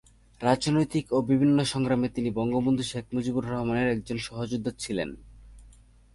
রাজনৈতিক ও বিভিন্ন সংগ্রামে তিনি বঙ্গবন্ধু শেখ মুজিবুর রহমানের একজন সহযোদ্ধা ছিলেন।